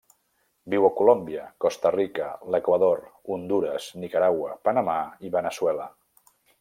Viu a Colòmbia, Costa Rica, l'Equador, Hondures, Nicaragua, Panamà i Veneçuela.